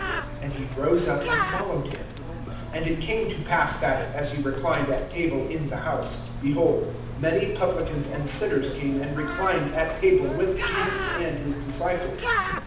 And he rose up and followed him. (10)And it came to pass that, as he reclined at table in the house, behold, many publicans and sinners came and reclined at table with Jesus and his disciples.